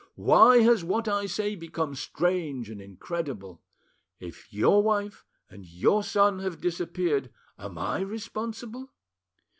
Why has what I say become strange and incredible? If your wife and your son have disappeared, am I responsible?